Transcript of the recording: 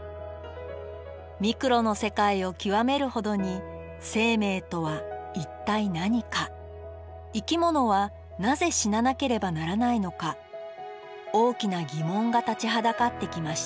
ミクロの世界を究めるほどに生命とは一体何か生き物はなぜ死ななければならないのか大きな疑問が立ちはだかってきました。